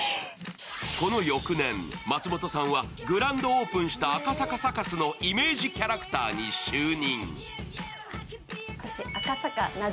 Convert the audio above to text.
この翌年、松本さんはグランドオープンした赤坂サカスのイメージキャラクターに就任。